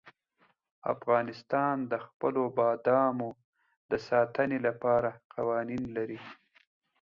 افغانستان د خپلو بادامو د ساتنې لپاره قوانین لري.